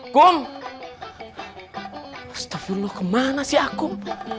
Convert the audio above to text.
kum astagfirullah kemana sih akum